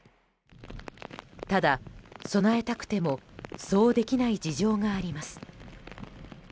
ただ、備えたくてもそうできない事情があります。